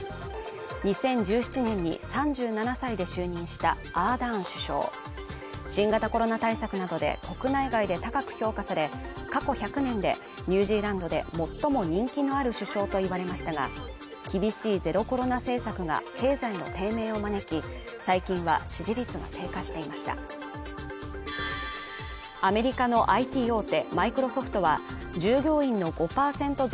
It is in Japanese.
２０１７年に３７歳で就任したアーダーン首相新型コロナ対策などで国内外で高く評価され過去１００年でニュージーランドで最も人気のある首相と言われましたが厳しいゼロコロナ政策が経済の低迷を招き最近は支持率が低下していましたアメリカのＩＴ大手